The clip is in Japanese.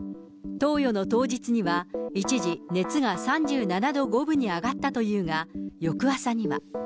投与の当日には、一時、熱が３７度５分に上がったというが、翌朝には。